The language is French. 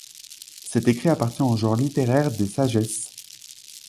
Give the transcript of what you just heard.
Cet écrit appartient au genre littéraire des sagesses.